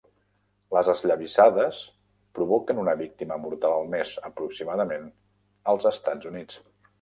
Les esllavissades provoquen una víctima mortal al mes, aproximadament, als Estats Units.